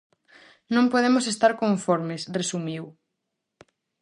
"Non podemos estar conformes", resumiu.